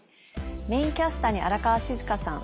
メインキャスターに荒川静香さん